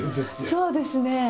そうですね。